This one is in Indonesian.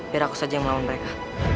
biar aku saja yang melawan mereka